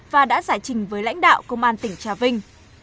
và đã giải trình với lãnh đạo công an tỉnh trà vinh